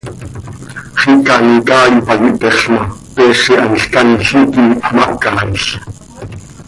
Xiica an icaai pac ihtexl ma, peez ihanl chanl hiiqui mahcaail.